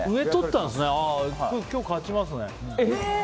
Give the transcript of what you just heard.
今日勝ちますね。